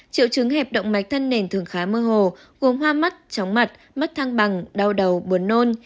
triệu chứng hẹp động mạch thân nền thường khá mơ hồ gồm hoa mắt tróng mặt mất thăng bằng đau đầu buồn nôn